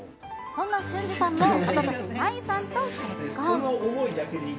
そんなしゅんじさんもおととし、麻衣さんと結婚。